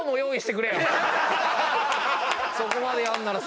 そこまでやんならさ。